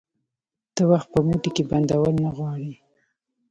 ته وخت په موټې کي بندول نه غواړي